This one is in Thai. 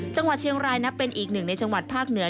จังหวัดเชียงรายนับเป็นอีกหนึ่งในจังหวัดภาคเหนือ